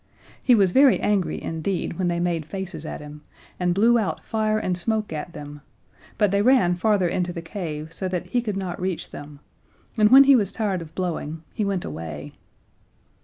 He was very angry, indeed, when they made faces at him, and blew out fire and smoke at them, but they ran farther into the cave so that he could not reach them, and when he was tired of blowing he went away.